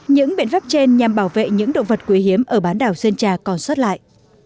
những biện pháp trên nhằm bảo vệ những động vật quý hiếm ở bán đảo sơn trà còn sót lại